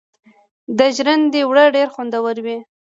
د ژرندې اوړه ډیر خوندور وي.